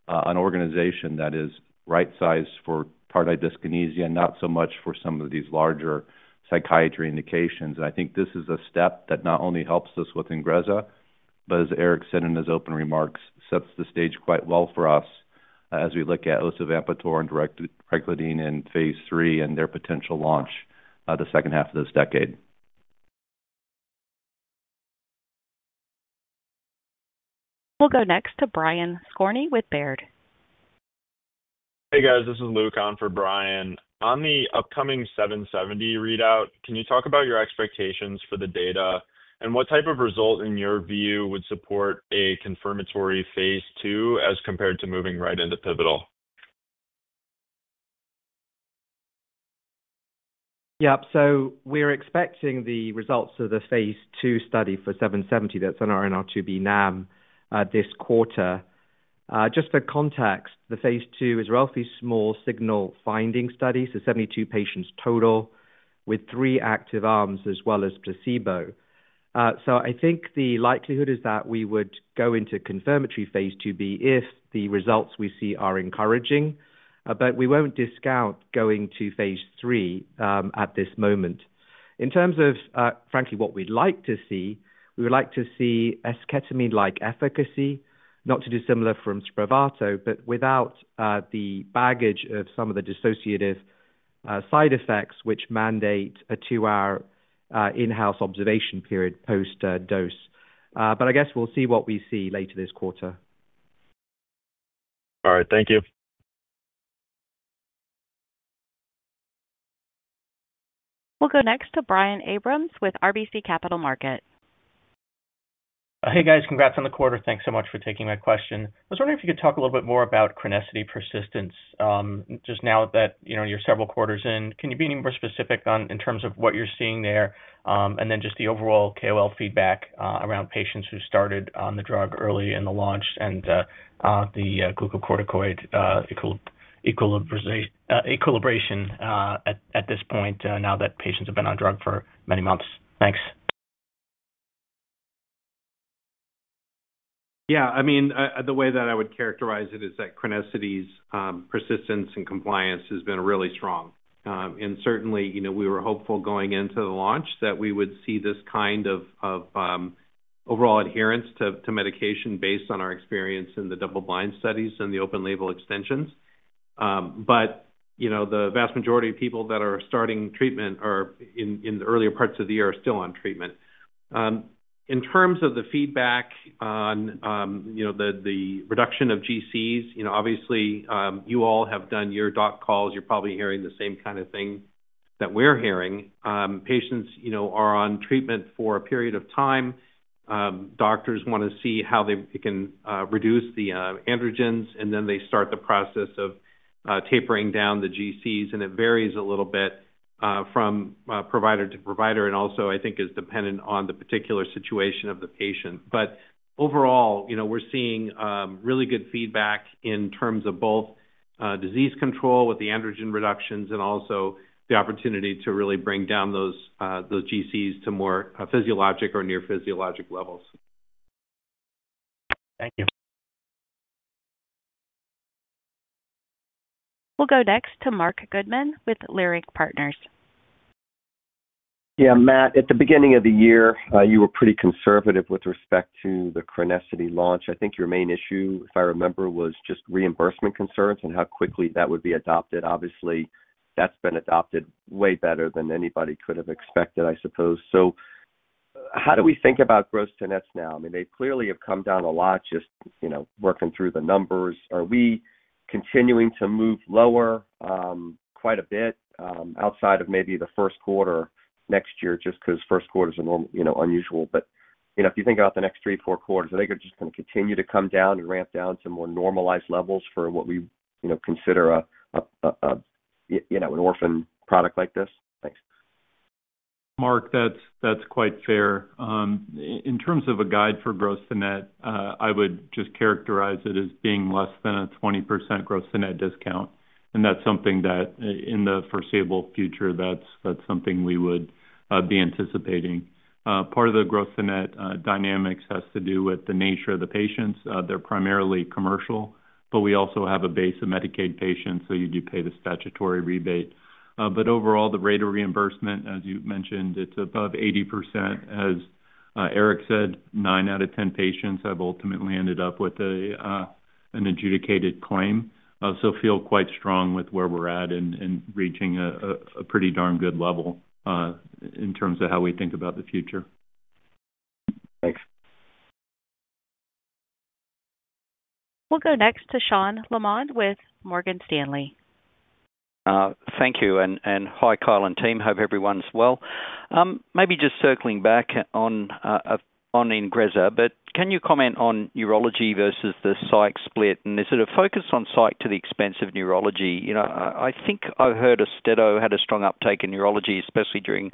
organization that is right-sized for tardive dyskinesia, not so much for some of these larger psychiatry indications. I think this is a step that not only helps us with INGREZZA, but as Eric Benevich said in his open remarks, sets the stage quite well for us as we look at osavampator and Directlidine in Phase III and their potential launch the second half of this decade. will go next to Brian Skorney with Baird. Hey, guys. This is Luke on for Brian. On the upcoming 770 readout, can you talk about your expectations for the data? What type of result in your view would support a confirmatory Phase II as compared to moving right into pivotal? We're expecting the results of the Phase II study for NBI-770, that's on our NR2B NAM, this quarter. For context, the Phase II is a relatively small signal-finding study, with 72 patients total, with three active arms as well as placebo. The likelihood is that we would go into a confirmatory Phase II-B if the results we see are encouraging. We won't discount going to Phase III at this moment. In terms of what we'd like to see, we would like to see esketamine-like efficacy, not too dissimilar from Spravato, but without the baggage of some of the dissociative side effects, which mandate a two-hour in-house observation period post-dose. We'll see what we see later this quarter. All right. Thank you. We'll go next to Brian Abrahams with RBC Capital Markets. Hey, guys. Congrats on the quarter. Thanks so much for taking my question. I was wondering if you could talk a little bit more about CRENESSITY persistence just now that you're several quarters in. Can you be any more specific in terms of what you're seeing there, and then just the overall KOL feedback around patients who started on the drug early in the launch and the glucocorticoid equilibration at this point now that patients have been on drug for many months? Thanks. Yeah, I mean, the way that I would characterize it is that CRENESSITY's persistence and compliance has been really strong. Certainly, we were hopeful going into the launch that we would see this kind of overall adherence to medication based on our experience in the double-blind studies and the open-label extensions. The vast majority of people that are starting treatment in the earlier parts of the year are still on treatment. In terms of the feedback on the reduction of GCs, obviously, you all have done your doc calls. You're probably hearing the same kind of thing that we're hearing. Patients are on treatment for a period of time. Doctors want to see how they can reduce the androgens, and then they start the process of tapering down the GCs. It varies a little bit from provider to provider and also, I think, is dependent on the particular situation of the patient. Overall, we're seeing really good feedback in terms of both disease control with the androgen reductions and also the opportunity to really bring down those GCs to more physiologic or near physiologic levels. Thank you. will go next to Marc Goodman with Leerink Partners. Yeah, Matt. At the beginning of the year, you were pretty conservative with respect to the CRENESSITY launch. I think your main issue, if I remember, was just reimbursement concerns and how quickly that would be adopted. Obviously, that's been adopted way better than anybody could have expected, I suppose. How do we think about gross tenets now? I mean, they clearly have come down a lot just working through the numbers. Are we continuing to move lower quite a bit outside of maybe the first quarter next year just because first quarters are normal, you know, unusual? If you think about the next three, four quarters, I think they're just going to continue to come down and ramp down to more normalized levels for what we, you know, consider a, you know, an orphan product like this. Thanks. Marc, that's quite fair. In terms of a guide for gross tenet, I would just characterize it as being less than a 20% gross tenet discount. That's something that in the foreseeable future, that's something we would be anticipating. Part of the gross tenet dynamics has to do with the nature of the patients. They're primarily commercial, but we also have a base of Medicaid patients, so you do pay the statutory rebate. Overall, the rate of reimbursement, as you mentioned, it's above 80%. As Eric said, 9 out of 10 patients have ultimately ended up with an adjudicated claim. I feel quite strong with where we're at and reaching a pretty darn good level in terms of how we think about the future. Thanks. We'll go next to Sean Laaman with Morgan Stanley. Thank you. Hi, Kyle and team. Hope everyone's well. Maybe just circling back on INGREZZA, can you comment on neurology versus the psych split? Is it a focus on psych to the expense of neurology? I think I heard INGREZZA had a strong uptake in neurology, especially during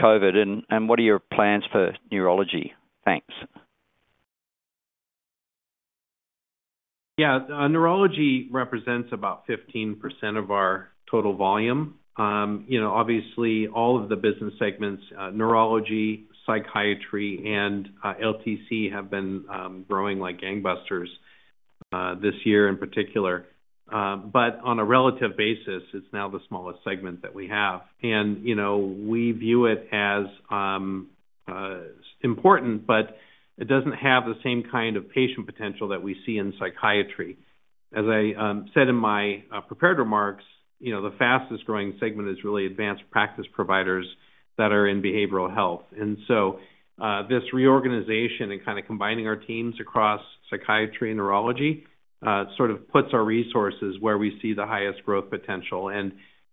COVID. What are your plans for neurology? Thanks. Yeah, neurology represents about 15% of our total volume. Obviously, all of the business segments, neurology, psychiatry, and LTC have been growing like gangbusters this year in particular. On a relative basis, it's now the smallest segment that we have. We view it as important, but it doesn't have the same kind of patient potential that we see in psychiatry. As I said in my prepared remarks, the fastest growing segment is really advanced practice providers that are in behavioral health. This reorganization and kind of combining our teams across psychiatry and neurology puts our resources where we see the highest growth potential.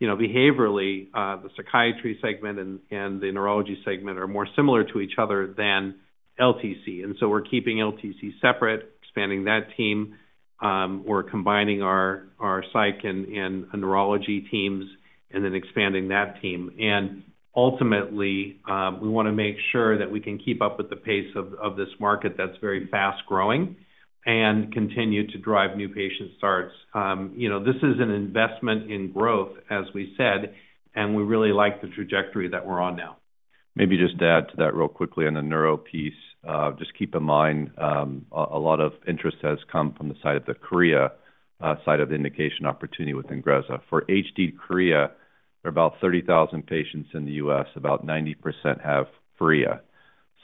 Behaviorally, the psychiatry segment and the neurology segment are more similar to each other than LTC. We're keeping LTC separate, expanding that team. We're combining our psych and neurology teams and then expanding that team. Ultimately, we want to make sure that we can keep up with the pace of this market that's very fast growing and continue to drive new patient starts. This is an investment in growth, as we said, and we really like the trajectory that we're on now. Maybe just to add to that real quickly on the neuro piece, just keep in mind a lot of interest has come from the side of the CAH side of the indication opportunity with INGREZZA. For Huntington’s chorea, there are about 30,000 patients in the U.S. About 90% have CAH.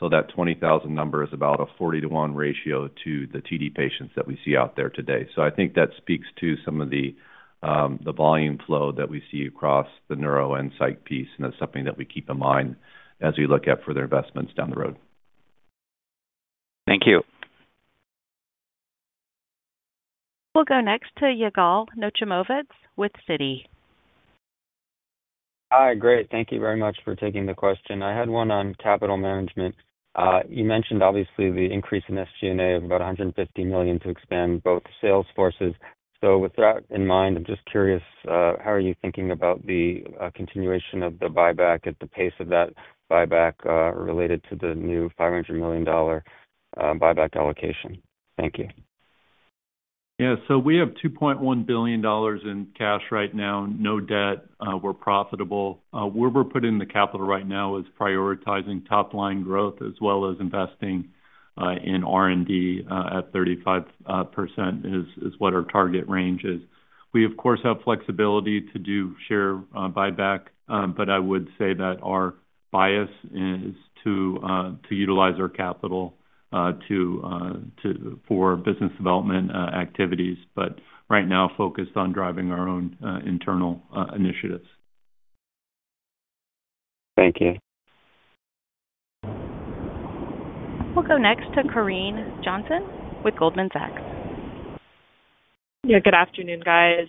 That 20,000 number is about a 40 to 1 ratio to the tardive dyskinesia patients that we see out there today. I think that speaks to some of the volume flow that we see across the neuro and psych piece. That's something that we keep in mind as we look at further investments down the road. Thank you. We'll go next to Ygal Nochomovitz with Citi. Hi, great. Thank you very much for taking the question. I had one on capital management. You mentioned, obviously, the increase in SG&A of about $150 million to expand both sales forces. With that in mind, I'm just curious, how are you thinking about the continuation of the buyback at the pace of that buyback related to the new $500 million buyback allocation? Thank you. Yeah, so we have $2.1 billion in cash right now, no debt. We're profitable. Where we're putting the capital right now is prioritizing top-line growth as well as investing in R&D at 35% is what our target range is. We, of course, have flexibility to do share buyback, but I would say that our bias is to utilize our capital for business development activities, right now focused on driving our own internal initiatives. Thank you. We'll go next to Corinne Johnson with Goldman Sachs. Yeah, good afternoon, guys.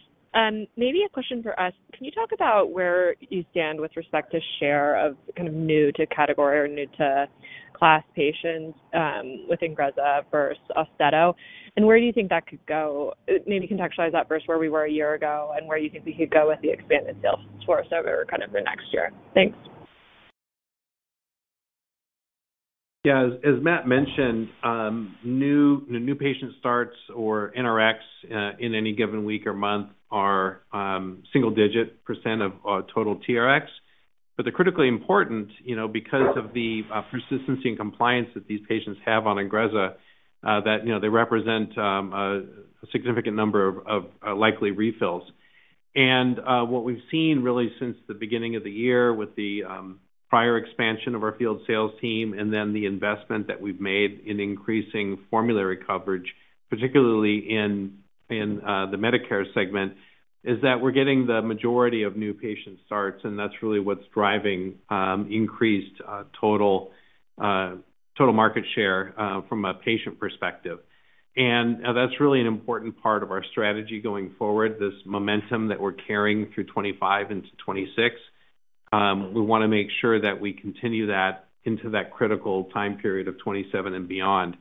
Maybe a question for us. Can you talk about where you stand with respect to share of kind of new-to-category or new-to-class patients with INGREZZA versus Austedo? Where do you think that could go? Maybe contextualize that first, where we were a year ago and where you think we could go with the expanded sales force over kind of the next year. Thanks. Yeah, as Matt mentioned, new patient starts or NRX in any given week or month are single-digit % of total TRX. They're critically important because of the persistency and compliance that these patients have on INGREZZA, and they represent a significant number of likely refills. What we've seen really since the beginning of the year with the prior expansion of our field sales team and the investment that we've made in increasing formulary coverage, particularly in the Medicare segment, is that we're getting the majority of new patient starts. That's really what's driving increased total market share from a patient perspective. That's really an important part of our strategy going forward, this momentum that we're carrying through 2025 into 2026. We want to make sure that we continue that into that critical time period of 2027 and beyond.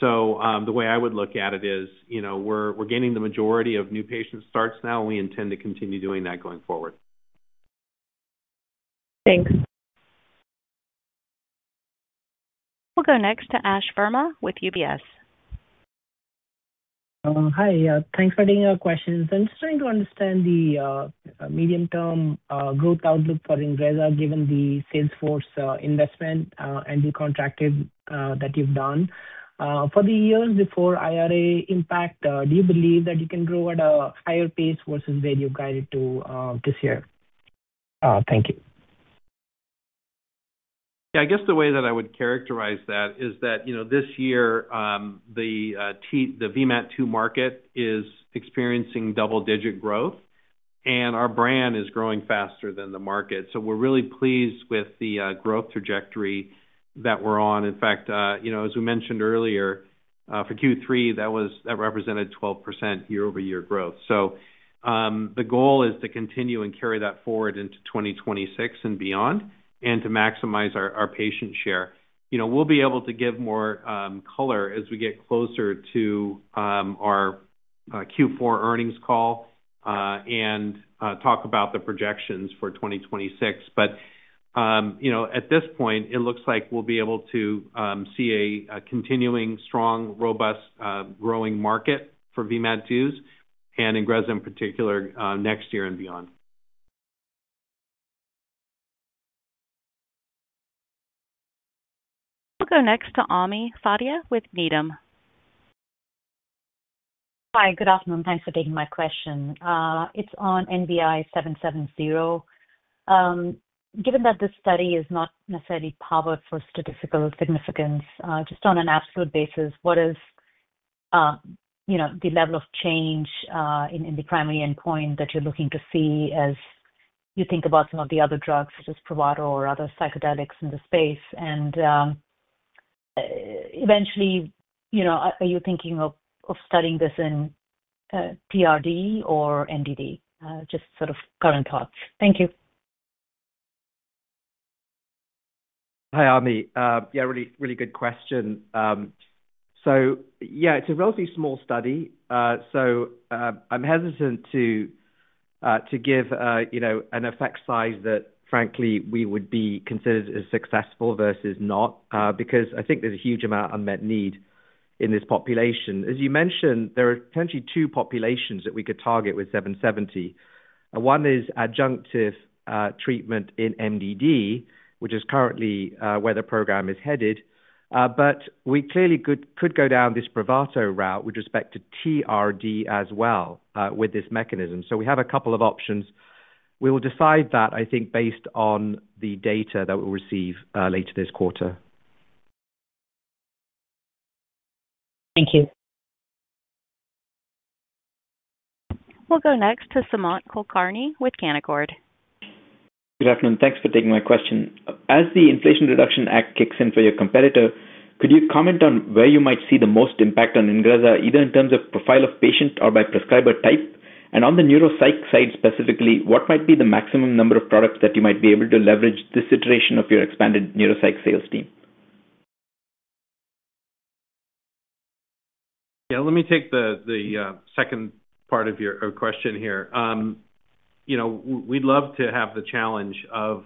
The way I would look at it is we're gaining the majority of new patient starts now, and we intend to continue doing that going forward. Thanks. We'll go next to Ash Verma with UBS. Hi, thanks for taking our questions. I'm just trying to understand the medium-term growth outlook for INGREZZA given the sales force investment and the contracting that you've done. For the years before IRA impact, do you believe that you can grow at a higher pace versus where you guided to this year? I guess the way that I would characterize that is that this year, the VMAT2 market is experiencing double-digit growth, and our brand is growing faster than the market. We're really pleased with the growth trajectory that we're on. In fact, as we mentioned earlier, for Q3, that represented 12% year-over-year growth. The goal is to continue and carry that forward into 2026 and beyond and to maximize our patient share. We'll be able to give more color as we get closer to our Q4 earnings call and talk about the projections for 2026. At this point, it looks like we'll be able to see a continuing strong, robust, growing market for VMAT2s and INGREZZA in particular next year and beyond. We'll go next to Ami Fadia with Needham. Hi, good afternoon. Thanks for taking my question. It's on NBI-770. Given that this study is not necessarily powered for statistical significance, just on an absolute basis, what is the level of change in the primary endpoint that you're looking to see as you think about some of the other drugs such as Spravato or other psychedelics in the space? Eventually, you know, are you thinking of studying this in PRD or NDD? Just sort of current thoughts. Thank you. Hi, Ami. Really, really good question. It's a relatively small study. I'm hesitant to give an effect size that, frankly, we would be considered as successful versus not because I think there's a huge amount of unmet need in this population. As you mentioned, there are potentially two populations that we could target with NBI-770. One is adjunctive treatment in major depressive disorder, which is currently where the program is headed. We clearly could go down this Spravato route with respect to treatment-resistant depression as well with this mechanism. We have a couple of options. We will decide that, I think, based on the data that we'll receive later this quarter. Thank you. We'll go next to Samant Kulkarni with Canaccord. Good afternoon. Thanks for taking my question. As the Inflation Reduction Act kicks in for your competitor, could you comment on where you might see the most impact on INGREZZA, either in terms of profile of patient or by prescriber type? On the neuropsych side specifically, what might be the maximum number of products that you might be able to leverage this iteration of your expanded neuropsych sales team? Yeah, let me take the second part of your question here. We'd love to have the challenge of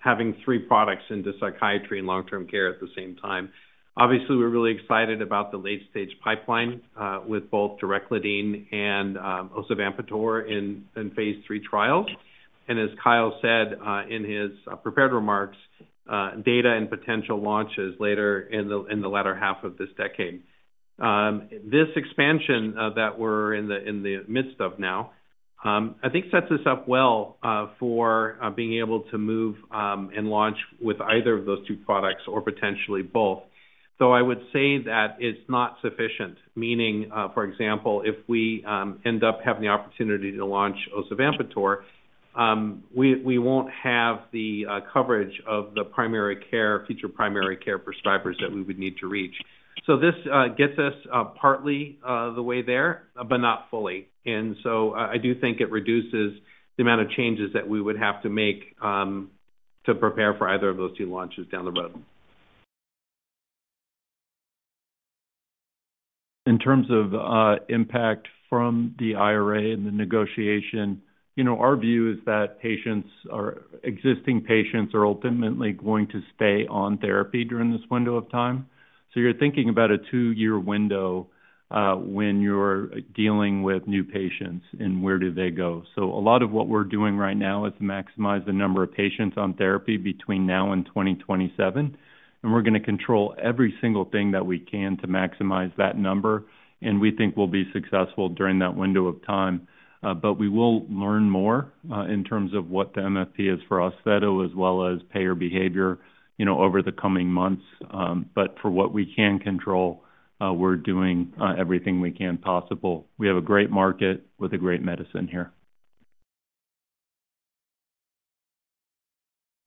having three products into psychiatry and long-term care at the same time. Obviously, we're really excited about the late-stage pipeline with both Directlidine and osavampator in Phase III trials. As Kyle said in his prepared remarks, data and potential launches later in the latter half of this decade. This expansion that we're in the midst of now, I think, sets us up well for being able to move and launch with either of those two products or potentially both. I would say that it's not sufficient, meaning, for example, if we end up having the opportunity to launch osavampator, we won't have the coverage of the primary care, future primary care prescribers that we would need to reach. This gets us partly the way there, but not fully. I do think it reduces the amount of changes that we would have to make to prepare for either of those two launches down the road. In terms of impact from the IRA and the negotiation, our view is that patients or existing patients are ultimately going to stay on therapy during this window of time. You're thinking about a two-year window when you're dealing with new patients and where do they go. A lot of what we're doing right now is to maximize the number of patients on therapy between now and 2027. We're going to control every single thing that we can to maximize that number. We think we'll be successful during that window of time. We will learn more in terms of what the MFP is for osavampator as well as payer behavior over the coming months. For what we can control, we're doing everything we can possible. We have a great market with a great medicine here.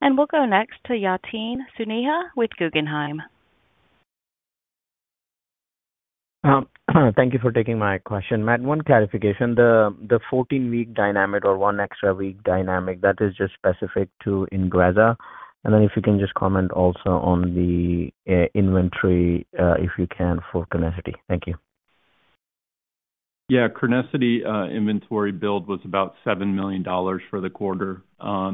We will go next to Yatin Suneja with Guggenheim. Thank you for taking my question, Matt. One clarification, the 14-week dynamic or one extra week dynamic, that is just specific to INGREZZA. If you can just comment also on the inventory, if you can, for CRENESSITY. Thank you. Yeah, CRENESSITY inventory build was about $7 million for the quarter. As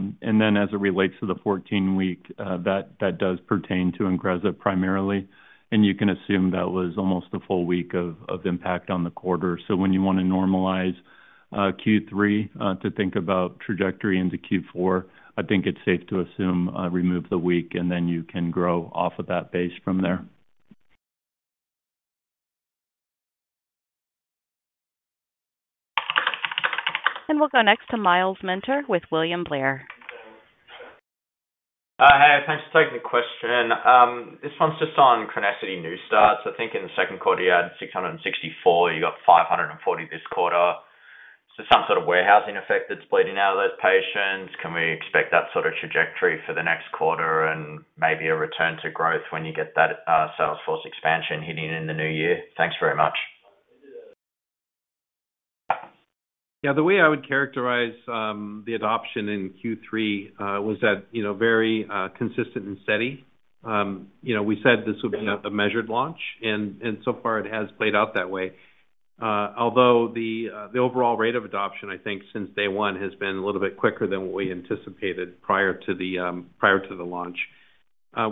it relates to the 14-week, that does pertain to INGREZZA primarily. You can assume that was almost a full week of impact on the quarter. When you want to normalize Q3 to think about trajectory into Q4, I think it's safe to assume remove the week, and then you can grow off of that base from there. We will go next to Myles Minter with William Blair. Hi, thanks for taking the question. This one's just on CRENESSITY new starts. I think in the second quarter you added 664. You got 540 this quarter. Is there some sort of warehousing effect that's bleeding out of those patients? Can we expect that sort of trajectory for the next quarter and maybe a return to growth when you get that sales force expansion hitting in the new year? Thanks very much. Yeah, the way I would characterize the adoption in Q3 was that it was very consistent and steady. We said this would be a measured launch, and so far, it has played out that way. Although the overall rate of adoption, I think, since day one has been a little bit quicker than what we anticipated prior to the launch.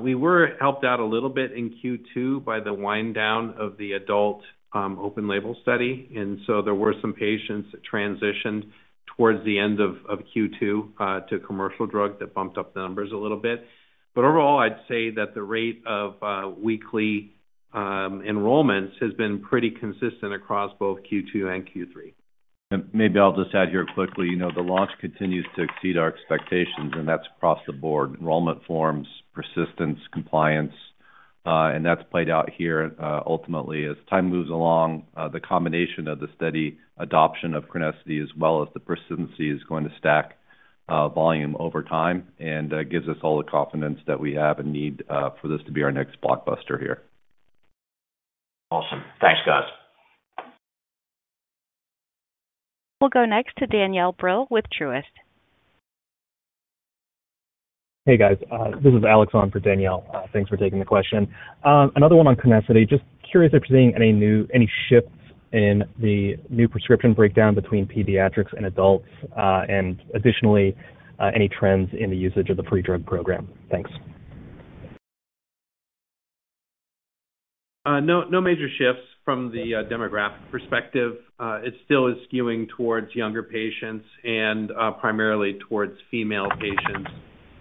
We were helped out a little bit in Q2 by the wind-down of the adult open-label study, and there were some patients that transitioned towards the end of Q2 to a commercial drug that bumped up the numbers a little bit. Overall, I'd say that the rate of weekly enrollments has been pretty consistent across both Q2 and Q3. I'll just add here quickly, you know, the launch continues to exceed our expectations, and that's across the board: enrollment forms, persistence, compliance. That's played out here. Ultimately, as time moves along, the combination of the steady adoption of CRENESSITY as well as the persistency is going to stack volume over time and gives us all the confidence that we have and need for this to be our next blockbuster here. Awesome. Thanks, guys. We'll go next to Danielle Brill with Truist. Hey, guys. This is Alex on for Danielle. Thanks for taking the question. Another one on CRENESSITY. Just curious if you're seeing any new shifts in the new prescription breakdown between pediatrics and adults, and additionally any trends in the usage of the free drug program. Thanks. No, no major shifts from the demographic perspective. It still is skewing towards younger patients and primarily towards female patients.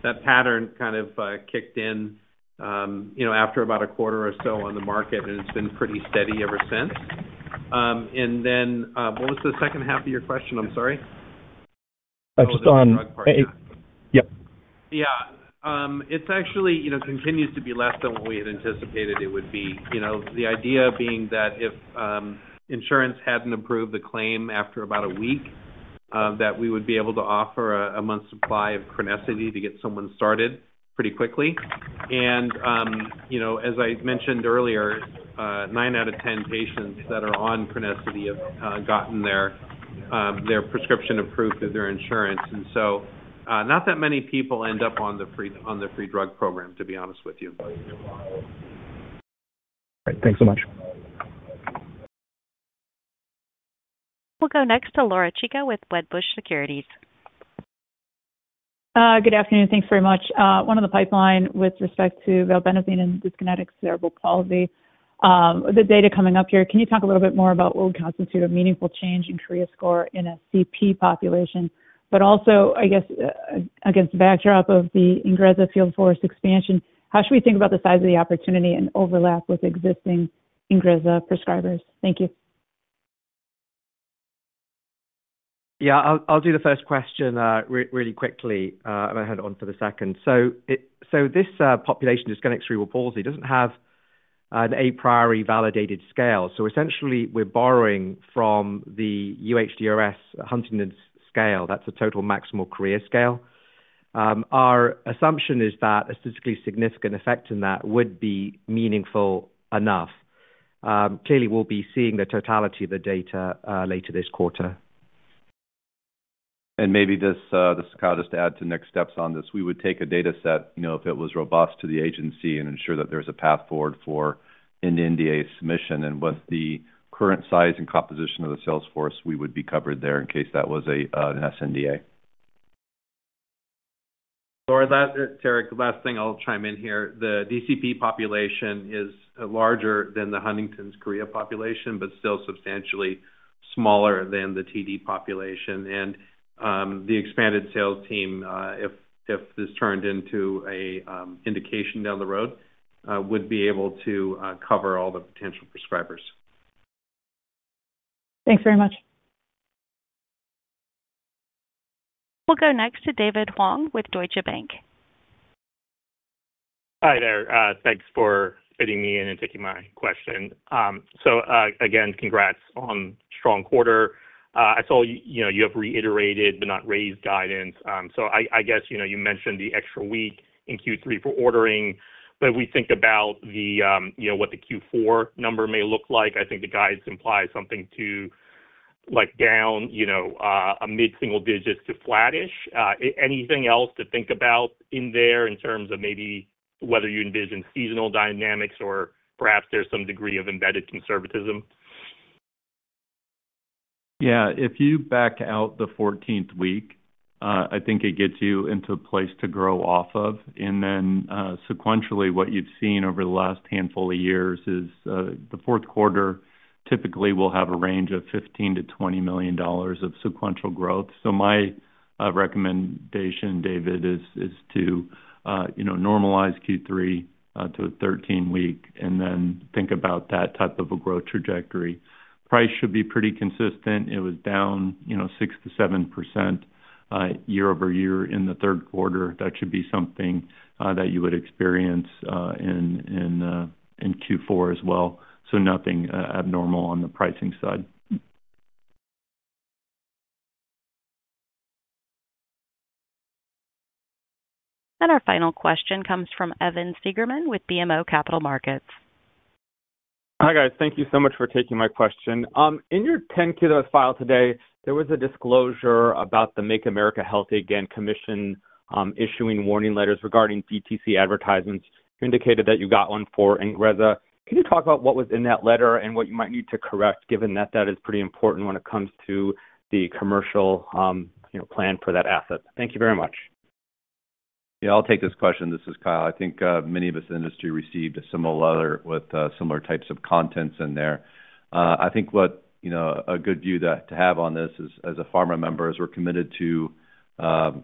That pattern kind of kicked in after about a quarter or so on the market, and it's been pretty steady ever since. What was the second half of your question? I'm sorry. Yeah. Yeah, it actually continues to be less than what we had anticipated it would be. The idea being that if insurance hadn't approved the claim after about a week, we would be able to offer a month's supply of CRENESSITY to get someone started pretty quickly. As I mentioned earlier, 9 out of 10 patients that are on CRENESSITY have gotten their prescription approved through their insurance, so not that many people end up on the free drug program, to be honest with you. All right. Thanks so much. We'll go next to Laura Chico with Wedbush Securities. Good afternoon. Thanks very much. One of the pipelines with respect to valbenazine and dyskinetic cerebral palsy, the data coming up here, can you talk a little bit more about what would constitute a meaningful change in CRIA score in a CP population? Also, I guess, against the backdrop of the INGREZZA field force expansion, how should we think about the size of the opportunity and overlap with existing INGREZZA prescribers? Thank you. I'll do the first question really quickly. I'm going to head on for the second. This population, dyskinetic cerebral palsy, doesn't have an a priori validated scale. Essentially, we're borrowing from the UHDRS Huntington's scale. That's a total maximal CRIA scale. Our assumption is that a statistically significant effect in that would be meaningful enough. Clearly, we'll be seeing the totality of the data later this quarter. Maybe this is kind of just to add to next steps on this. We would take a data set, you know, if it was robust to the agency and ensure that there's a path forward for an NDA submission. With the current size and composition of the sales force, we would be covered there in case that was an SNDA. As I said, Terry, last thing I'll chime in here. The dyskinetic cerebral palsy population is larger than the Huntington’s chorea population, but still substantially smaller than the TD population. The expanded sales team, if this turned into an indication down the road, would be able to cover all the potential prescribers. Thanks very much. We'll go next to David Huang with Deutsche Bank. Hi there. Thanks for fitting me in and taking my question. Again, congrats on a strong quarter. I saw you have reiterated but not raised guidance. I guess you mentioned the extra week in Q3 for ordering. If we think about what the Q4 number may look like, I think the guidance implies something like down, you know, amid single digits to flattish. Anything else to think about in there in terms of maybe whether you envision seasonal dynamics or perhaps there's some degree of embedded conservatism? If you back out the 14th week, I think it gets you into a place to grow off of. Sequentially, what you've seen over the last handful of years is the fourth quarter typically will have a range of $15 million-$20 million of sequential growth. My recommendation, David, is to normalize Q3 to a 13-week and then think about that type of a growth trajectory. Price should be pretty consistent. It was down 6%-7% year-over-year in the third quarter. That should be something that you would experience in Q4 as well. Nothing abnormal on the pricing side. Our final question comes from Evan Seigerman with BMO Capital Markets. Hi guys, thank you so much for taking my question. In your 10-K that was filed today, there was a disclosure about the Make America Healthy Again Commission issuing warning letters regarding DTC advertisements. You indicated that you got one for INGREZZA. Can you talk about what was in that letter and what you might need to correct, given that that is pretty important when it comes to the commercial plan for that asset? Thank you very much. I'll take this question. This is Kyle. I think many of us in the industry received a similar letter with similar types of contents in there. I think what a good view to have on this is as a pharma member, as we're committed to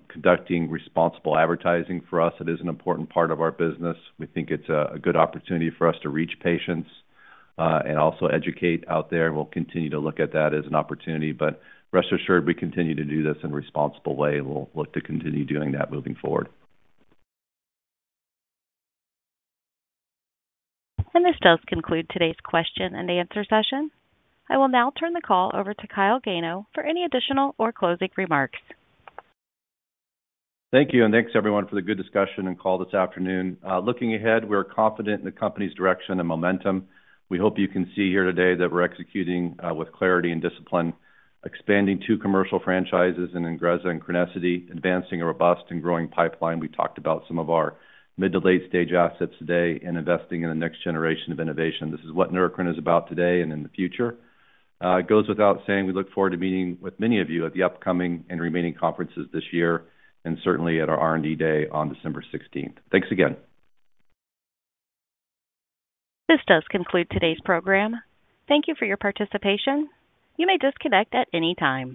conducting responsible advertising for us, it is an important part of our business. We think it's a good opportunity for us to reach patients and also educate out there. We'll continue to look at that as an opportunity. Rest assured, we continue to do this in a responsible way. We'll look to continue doing that moving forward. This does conclude today's question-and-answer session. I will now turn the call over to Kyle Gano for any additional or closing remarks. Thank you. Thanks, everyone, for the good discussion and call this afternoon. Looking ahead, we're confident in the company's direction and momentum. We hope you can see here today that we're executing with clarity and discipline, expanding two commercial franchises in INGREZZA and CRENESSITY, advancing a robust and growing pipeline. We talked about some of our mid-to-late stage assets today and investing in the next generation of innovation. This is what Neurocrine Biosciences is about today and in the future. It goes without saying we look forward to meeting with many of you at the upcoming and remaining conferences this year and certainly at our R&D Day on December 16. Thanks again. This does conclude today's program. Thank you for your participation. You may disconnect at any time.